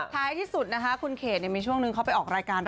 ท้ายที่สุดนะคะคุณเขตมีช่วงนึงเขาไปออกรายการ